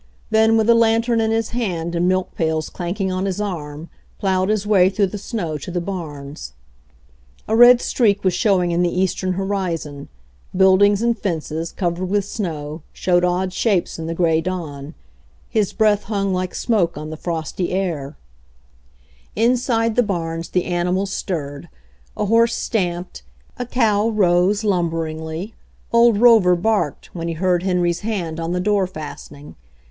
Then, with a lantern in his hand and milk pails clanking on his arm, plowed his way through the snow to the barns. A red streak was showing in the eastern hori zon; buildings and fences, covered with snow, showed odd shapes in the gray dawn ; his breath hung like smoke on the frosty air. 42 HENRY FORD'S OWN STORY Inside the barns the animals stirred; a horse stamped; a cow rose lumberingly; old Rover barked when he heard Henry's hand on the door fastening.